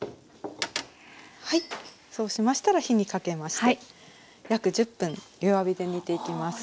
そうしましたら火にかけまして約１０分弱火で煮ていきます。